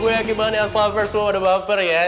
gue yaki bangan aslover semua udah baper ya